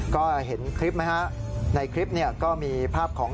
ก็เห็นคลิปไหมฮะในคลิปเนี่ยก็มีภาพของ